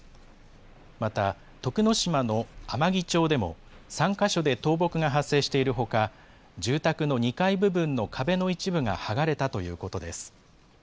また、徳之島の天城町でも３か所で倒木が発生しているほか、住宅の２階部分の壁の一部が剥がれたということです。